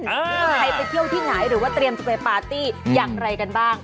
ใครไปเที่ยวที่ไหนหรือว่าเตรียมจะไปปาร์ตี้อย่างไรกันบ้าง